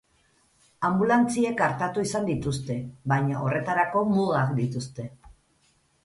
Anbulantziek artatu izan dituzte, baina horretarako mugak dituzte.